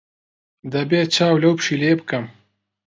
دەبێت چاو لەم پشیلەیە بکەم.